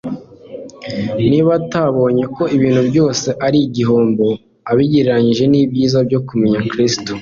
niba atabonye ko ibintu byose ari igihombo abigereranyije n'ibyiza byo kumenya Kristo.